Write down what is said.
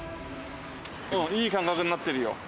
いい感覚になってるよ。